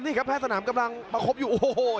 นี่ครับแพทย์สนามกำลังประคบอยู่โอ้โห